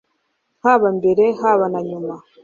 haba mbere, haba na nyuma